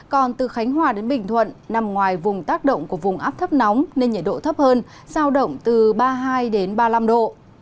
còn từ khánh hòa đến bình thuận nằm ngoài vùng tác động của vùng áp thấp nóng nên nhiệt độ thấp hơn giao động từ ba mươi hai ba mươi năm độ